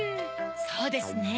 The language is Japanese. そうですね。